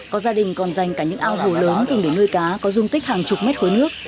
có gia đình còn dành cả những ao hồ lớn dùng để nuôi cá có dung tích hàng chục mét khối nước